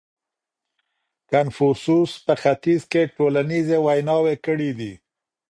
کنفوسوس په ختیځ کي ټولنیزې ویناوې کړې دي.